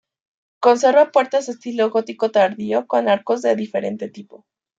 Conserva puertas de estilo gótico tardío con arcos de diferente tipo.